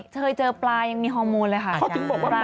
เคยเจอปลายังมีฮอร์โมนเลยค่ะ